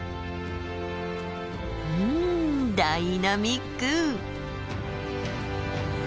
うんダイナミック。